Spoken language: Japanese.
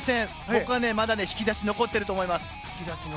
僕は、まだ引き出しが残っていると思います。